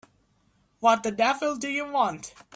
What the devil do you want?